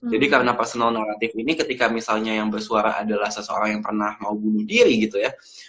jadi karena personal narrative ini ketika misalnya yang bersuara adalah seseorang yang pernah mau bunuh diri gitu ya